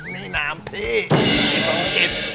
นี่น้ำพี่สมจิต